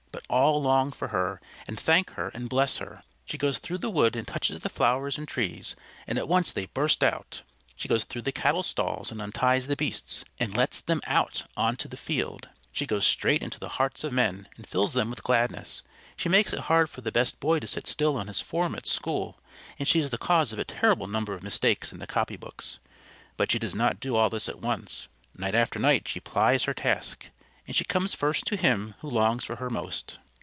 But all long for her, and thank her and bless her. She goes through the wood and touches the flowers and trees, and at once they burst out. She goes through the cattle stalls and unties the beasts, and lets them out on to the field. She goes straight into the hearts of men and fills them with gladness. She makes it hard for the best boy to sit still on his form at school, and she is the cause of a terrible number of mistakes in the copy books. But she does not do all this at once. Night after night she plies her task, and she comes first to him who longs for her most.